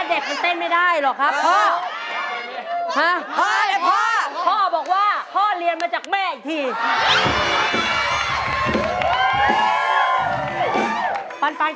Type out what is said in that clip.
รถแม่รถอยู่ทำการแสดงงามใดพากันมอนหมดบ้าน